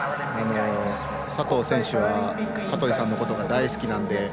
佐藤選手は香取さんのことが大好きなので。